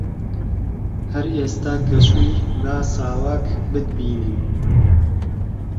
هەر ئێستا کە چووی با ساواک بتبینن